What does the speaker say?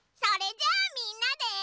それじゃあみんなで。